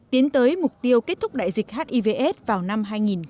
tiến tới mục tiêu kết thúc đại dịch hiv aids vào năm hai nghìn ba mươi